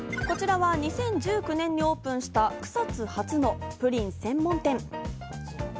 こちらは２０１９年にオープンした草津初のプリン専門店。